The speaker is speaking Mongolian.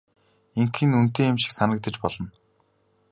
Ингэх нь үнэтэй юм шиг санагдаж болно.